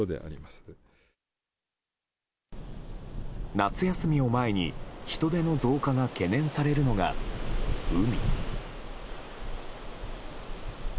夏休みを前に人出の増加が懸念されるのが、海。